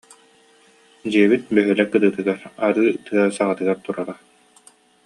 Дьиэбит бөһүөлэк кытыытыгар, арыы тыа саҕатыгар турара